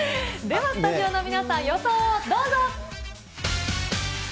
ではスタジオの皆さん、予想をどうぞ。